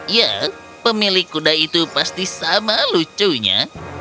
ya pemilik kuda itu pasti sama lucunya